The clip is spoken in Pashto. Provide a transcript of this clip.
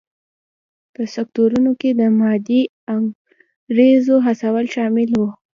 په سکتورونو کې د مادي انګېزو هڅول شامل و.